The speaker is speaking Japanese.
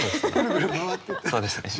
そうですね。